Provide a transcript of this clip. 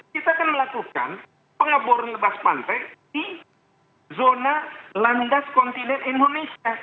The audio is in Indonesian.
kita kan melakukan pengeboran lepas pantai di zona landas kontinen indonesia